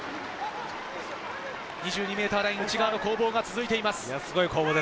２２ｍラインの内側の攻防が続いています。